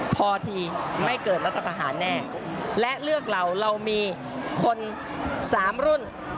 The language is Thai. พอทีไม่เกิดรัฐประหารแน่และเลือกเราเรามีคนสามรุ่น